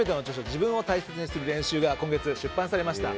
「自分を大切にする練習」が今月、出版されました。